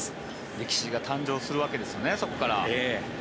歴史が誕生するわけですよねそこから。